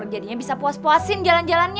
jadinya bisa puas puasin jalan jalannya